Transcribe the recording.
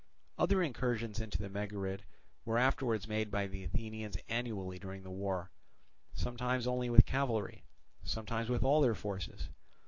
Other incursions into the Megarid were afterwards made by the Athenians annually during the war, sometimes only with cavalry, sometimes with all their forces.